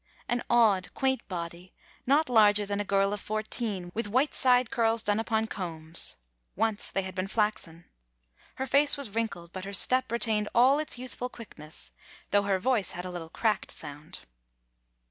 An odd, quaint body, not larger than a girl of fourteen, with white side curls done upon combs — once they had been flaxen. Her face was wrinkled, but her step retained all its youthful quickness, though her voice had a little cracked sound.